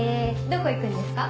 どこ行くんですか？